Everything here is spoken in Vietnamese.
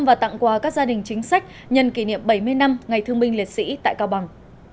và tặng quà các gia đình chính sách nhân kỷ niệm bảy mươi năm ngày thương binh liệt sĩ tại cao bằng